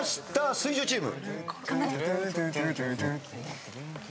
月１０チーム。